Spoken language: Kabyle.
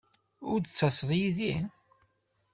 Ur d-ttaseḍ yid-i?